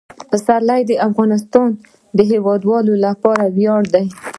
پسرلی د افغانستان د هیوادوالو لپاره ویاړ دی.